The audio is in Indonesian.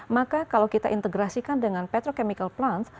maka kalau kita integrasikan dengan petrochemical plant